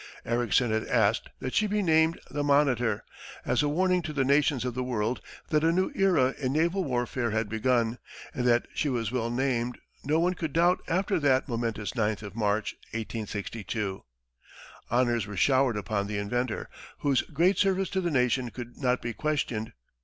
Ericsson had asked that she be named the "Monitor," as a warning to the nations of the world that a new era in naval warfare had begun, and that she was well named no one could doubt after that momentous ninth of March, 1862. Honors were showered upon the inventor, whose great service to the nation could not be questioned.